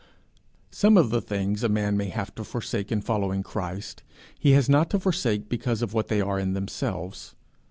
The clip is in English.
Some of the things a man may have to forsake in following Christ, he has not to forsake because of what they are in themselves.